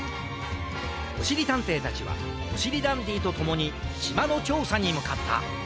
おしりたんていたちはおしりダンディとともにしまのちょうさにむかった。